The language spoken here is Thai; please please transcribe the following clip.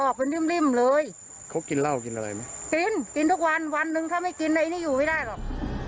กินทุกวันวันหนึ่งถ้าไม่กินในนี่อยู่ไม่ได้หรอก